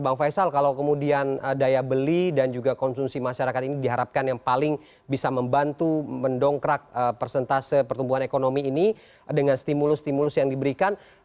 bang faisal kalau kemudian daya beli dan juga konsumsi masyarakat ini diharapkan yang paling bisa membantu mendongkrak persentase pertumbuhan ekonomi ini dengan stimulus stimulus yang diberikan